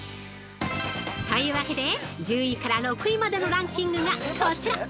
◆というわけで、１０位から６位までのランキングがこちら。